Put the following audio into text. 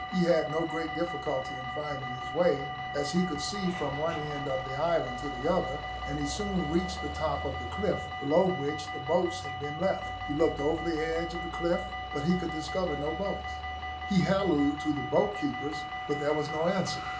He had no great difficulty in finding his way, as he could see from one end of the island to the other, and he soon reached the top of the cliff, below which the boats had been left; he looked over the edge of the cliff, but he could discover no boats. He hallooed to the boat keepers, but there was no answer.